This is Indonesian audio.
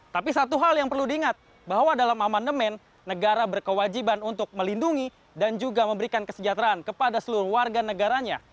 tapi satu hal yang perlu diingat bahwa dalam amandemen negara berkewajiban untuk melindungi dan juga memberikan kesejahteraan kepada seluruh warga negaranya